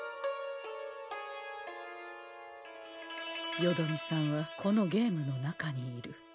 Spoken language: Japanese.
よどみさんはこのゲームの中にいる。